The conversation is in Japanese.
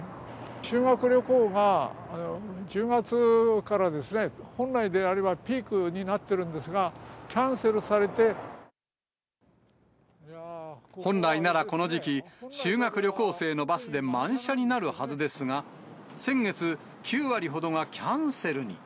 修学旅行が１０月からですね、本来であれば、ピークになってる本来ならこの時期、修学旅行生のバスで満車になるはずですが、先月、９割ほどがキャンセルに。